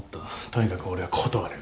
とにかく俺は断る。